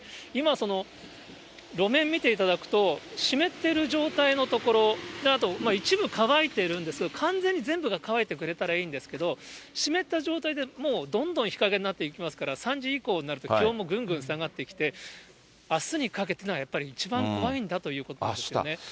今、路面見ていただくと湿っている状態の所、あと一部乾いてるんですけど、完全に全部が乾いてくれたらいいんですけども、湿った状態でもうどんどん日陰になっていきますから、３時以降になると気温もぐんぐん下がってきて、あすにかけてがやっぱり一番怖いんだということですよね。